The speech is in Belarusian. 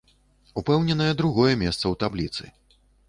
Упэўненае другое месца ў табліцы.